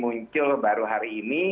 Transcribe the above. muncul baru hari ini